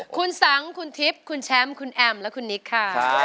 คุณสังคุณทิพย์คุณแชมป์คุณแอมและคุณนิกค่ะ